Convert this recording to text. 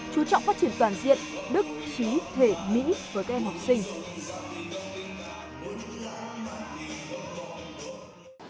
chú trọng phát triển toàn diện đức trí thể mỹ với các em học sinh